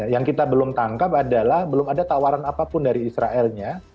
yang kita belum tangkap adalah belum ada tawaran apapun dari israelnya